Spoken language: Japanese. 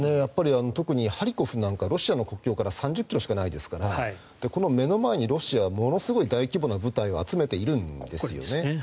特にハリコフなんかロシアの国境から３０ｋｍしかないですから目の前にロシア、ものすごい大規模な部隊を集めているんですね。